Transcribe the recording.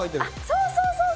そうそうそうそう！